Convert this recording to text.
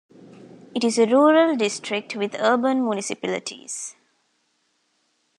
It is a rural district with urban municipalities.